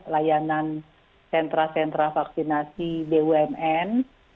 layanan sentra sentra vaksinasi bumn